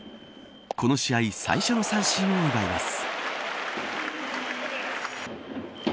この試合最初の三振を奪います。